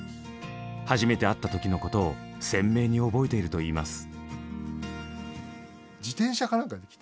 初めて会った時のことを鮮明に覚えていると言います。